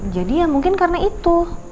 jadi ya mungkin karena itu